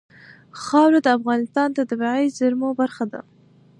خاوره د افغانستان د طبیعي زیرمو برخه ده.